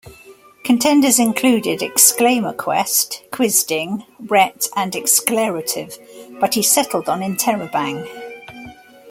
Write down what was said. Contenders included "exclamaquest", "QuizDing", "rhet", and "exclarotive", but he settled on "interrobang".